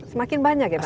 semakin banyak ya